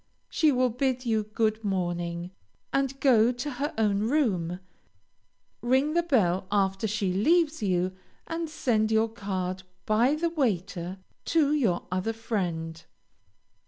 She will bid you good morning, and go to her own room; ring the bell after she leaves you, and send your card by the waiter to your other friend.